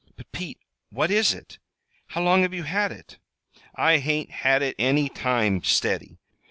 "But, Pete, what is it? How long have you had it?" "I hain't had it any time, steady.